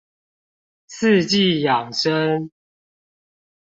四季養生